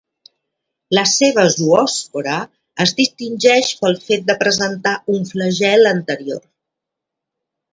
La seva zoòspora es distingeix pel fet de presentar un flagel anterior.